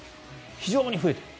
非常に増えている。